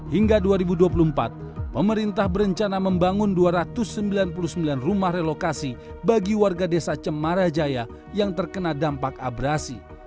hingga dua ribu dua puluh empat pemerintah berencana membangun dua ratus sembilan puluh sembilan rumah relokasi bagi warga desa cemarajaya yang terkena dampak abrasi